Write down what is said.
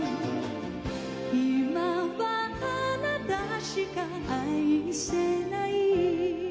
「いまはあなたしか愛せない」